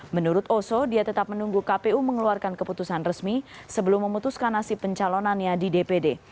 menurut oso dia tetap menunggu kpu mengeluarkan keputusan resmi sebelum memutuskan nasib pencalonannya di dpd